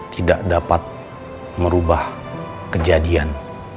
tidak dapat merubah kejadian